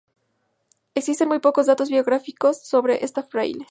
Existen muy pocos datos biográficos sobre este fraile.